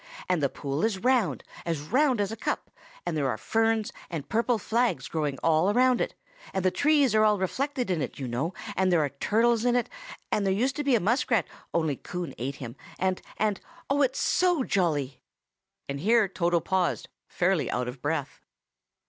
And the pool is round, as round as a cup; and there are ferns and purple flags growing all around it, and the trees are all reflected in it, you know; and there are turtles in it, and there used to be a muskrat, only Coon ate him, and—and—oh! it's so jolly!" and here Toto paused, fairly out of breath.